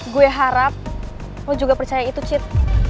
gua harap lu juga percaya itu cid